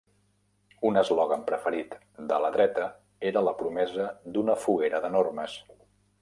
Un eslògan preferit de la dreta era la promesa "d'una foguera de normes".